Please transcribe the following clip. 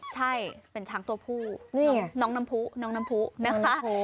ใช่เป็นช้างตัวผู้น้องน้ำพุนะคะ